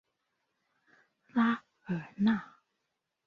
拉尔纳。